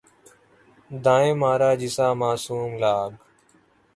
دائیں مارا جسا معصوم لاگ